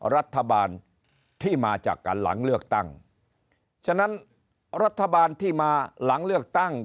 รัฐบาลที่มาจากกันหลังเลือกตั้งฉะนั้นรัฐบาลที่มาหลังเลือกตั้ง